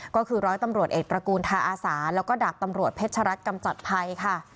ก็คือร้อยตำรวจเอกตระกูลทาอาสาแล้วก็ดาบตำรวจเพชรัตนกำจัดภัยค่ะ